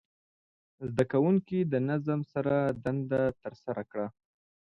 زده کوونکي د نظم سره دنده ترسره کړه.